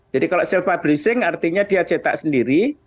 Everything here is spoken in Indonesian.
jadi kalau self publishing artinya dia cetak sendiri